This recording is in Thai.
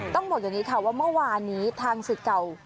ต้องบอกอย่างนี้ค่ะว่าเมื่อวานนี้ทางศึกเก่า